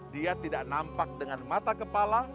dia tidak nampak dengan mata kepala